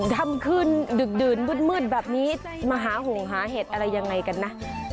ท่ำคืนดื่มดืมอุ๊ดมืดแบบนี้มาหาห่วงหาเห็ดอะไรยังไงกันนะ